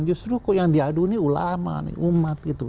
justru kok yang diadu ini ulama nih umat gitu